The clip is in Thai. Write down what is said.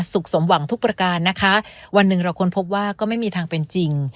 สมหวังทุกประการนะคะวันหนึ่งเราค้นพบว่าก็ไม่มีทางเป็นจริง